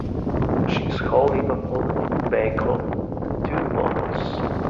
She is holding a pot of tobacco and two bottles.